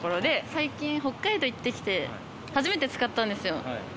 最近、北海道へ行って初めて使ったんですよ。